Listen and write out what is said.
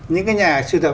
những cái nhà sưu tập